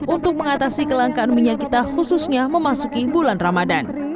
untuk mengatasi kelangkaan minyak kita khususnya memasuki bulan ramadan